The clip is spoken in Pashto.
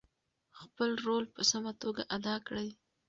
خپل رول په سمه توګه ادا کړئ.